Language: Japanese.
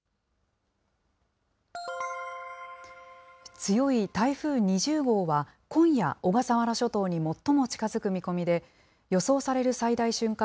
強い台風２０号は、今夜、小笠原諸島に最も近づく見込みで、予想される最大瞬間